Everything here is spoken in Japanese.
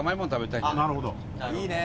いいね！